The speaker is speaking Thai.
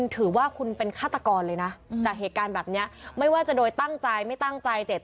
ตั้งสติลดความสงสัย